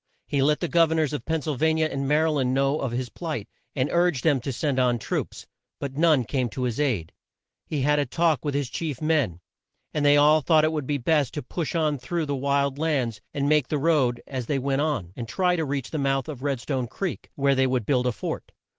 He let the Gov er nors of Penn syl va ni a and Ma ry land know of his plight, and urged them to send on troops. But none came to his aid. He had a talk with his chief men, and they all thought it would be best to push on through the wild lands, make the road as they went on, and try to reach the mouth of Red stone Creek, where they would build a fort.